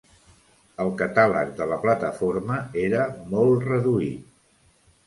El catàleg de la plataforma era molt reduït.